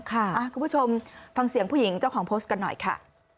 คุณผู้ชมฟังเสียงผู้หญิงเจ้าของโพสต์กันหน่อยค่ะ